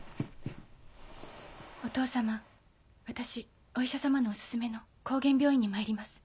お父様私お医者様のお薦めの高原病院にまいります。